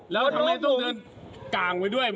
แล้วทำไมต้องเดินกลางไว้ด้วย